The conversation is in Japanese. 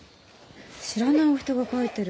知らないお人が書いてる。